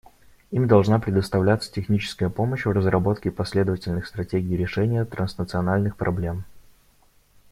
Им должна предоставляться техническая помощь в разработке последовательных стратегий решения транснациональных проблем.